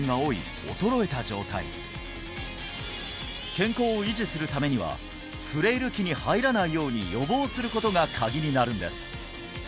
健康を維持するためにはフレイル期に入らないように予防することがカギになるんです